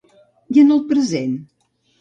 I en el present?